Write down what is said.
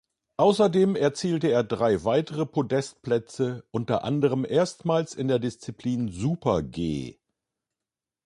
Außerdem erzielte er drei weitere Podestplätze, unter anderem erstmals in der Disziplin Super-G.